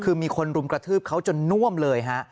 คือมีคนรุมกระทืบเขาจนน่วมเลยฮะ